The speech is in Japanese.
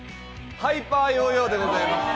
ハイパーヨーヨーでございます。